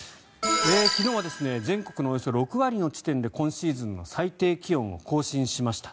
昨日は全国のおよそ６割の地点で今シーズンの最低気温を更新しました。